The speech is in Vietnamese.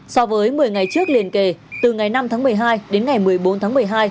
so với một mươi ngày trước liên kề từ ngày năm tháng một mươi hai đến ngày một mươi bốn tháng một mươi hai